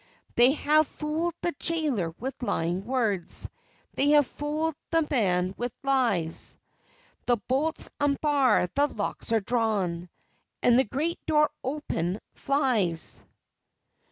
They have fooled the jailer with lying words, They have fooled the man with lies; The bolts unbar, the locks are drawn, And the great door open flies.